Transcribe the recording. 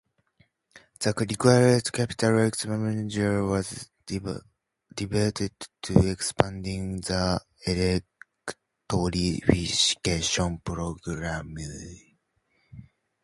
The required capital expenditure was diverted to extending the electrification programme.